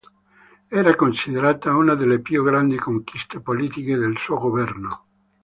Era considerata una delle più grandi conquiste politiche del suo governo.